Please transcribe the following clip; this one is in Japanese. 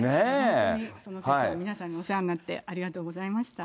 本当にその節は皆さんにお世話になって、ありがとうございました。